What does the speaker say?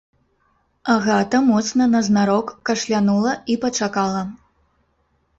Агата моцна назнарок кашлянула і пачакала.